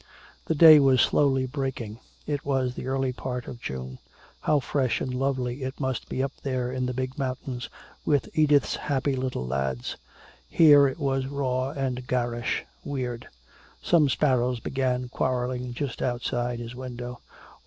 The day was slowly breaking. It was the early part of June. How fresh and lovely it must be up there in the big mountains with Edith's happy little lads. Here it was raw and garish, weird. Some sparrows began quarreling just outside his window.